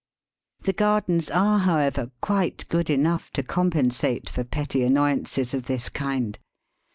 The gardens are, however, quite good enough to compensate for petty annoyances of this kind.